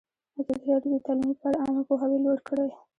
ازادي راډیو د تعلیم لپاره عامه پوهاوي لوړ کړی.